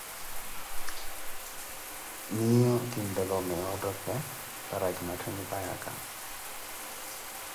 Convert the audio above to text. Miiyo kinetthela omeya ottophe para ki matthe nyupayaka.